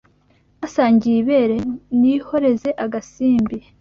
Basangiye ibere Nihoreze agasimbi